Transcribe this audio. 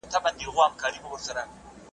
چي ناڅاپه زرکي جګه کړله غاړه `